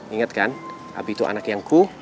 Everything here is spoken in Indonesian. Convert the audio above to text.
ingat kan habis itu anak yang ku